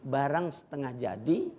barang setengah jadi